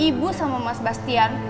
ibu sama mas bastian